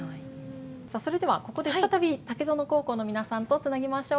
さあそれではここで再び竹園高校の皆さんとつなぎましょう。